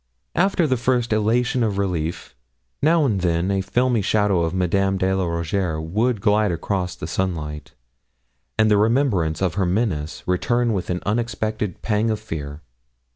After the first elation of relief, now and then a filmy shadow of Madame de la Rougierre would glide across the sunlight, and the remembrance of her menace return with an unexpected pang of fear.